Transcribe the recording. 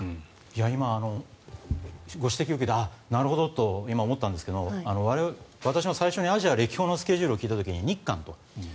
今、ご指摘を受けてなるほどと思ったんですが私も最初にアジア歴訪のスケジュールを聞いた時に日韓と。